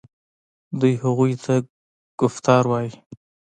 دوی هغوی ته کفتار وايي.